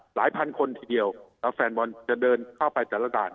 พันคนทีเดียวแล้วแฟนบอลจะเดินเข้าไปแต่ละด่าน